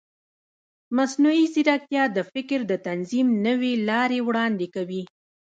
مصنوعي ځیرکتیا د فکر د تنظیم نوې لارې وړاندې کوي.